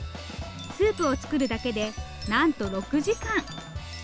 スープを作るだけでなんと６時間！